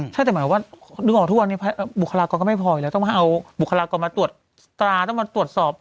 ถ้าแต่หมายถึงว่าทุกคนนี่บุคลากรก็ไม่พออีกแล้วต้องมาเอาบุคลากรมาตรวจตราต้องมาตรวจสอบ